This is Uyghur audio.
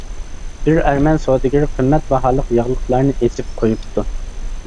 بىر ئەرمەن سودىگىرى قىممەت باھالىق ياغلىقلارنى ئېسىپ قۇيۇپتۇ.